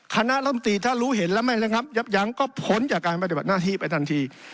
คณะลำตีถ้ารู้เห็นและไม่ระงับยับยั้งก็พ้นจากการปฏิบัติหน้าที่ไปทันที